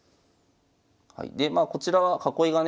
でまあこちらは囲いがね